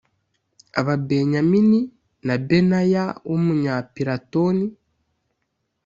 Ababenyamini na Benaya w Umunyapiratoni